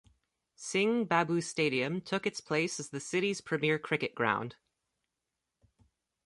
Singh Babu Stadium took its place as the city's premier cricket ground.